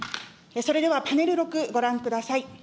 それでは、パネル６、ご覧ください。